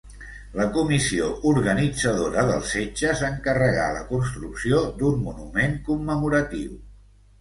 La comissió organitzadora dels setges encarregà la construcció d'un monument commemoratiu.